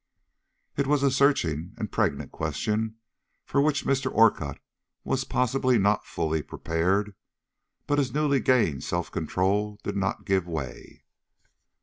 It was a searching and a pregnant question, for which Mr. Orcutt was possibly not fully prepared, but his newly gained control did not give way.